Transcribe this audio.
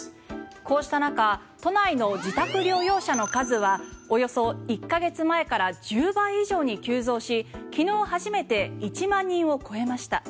こうした中都内の自宅療養者の数はおよそ１か月前から１０倍以上に急増し昨日初めて１万人を超えました。